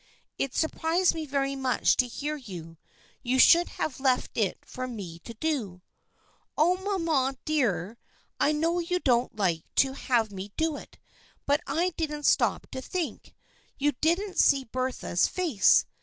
" It surprised me very much to hear you. You should have left it for me to do." " Oh, mamma, dear, I know you don't like to have me do it, but I didn't stop to think. You didn't see Bertha's face.